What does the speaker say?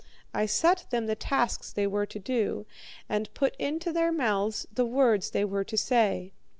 I set them the tasks they were to do, and put into their mouths the words they were to say.